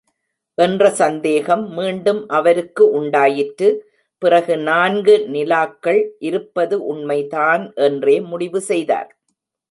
என்ற சந்தேகம் மீண்டும் அவருக்கு உண்டாயிற்று, பிறகு நான்கு நிலாக்கள் இருப்பது உண்மைதான் என்றே முடிவு செய்தார்.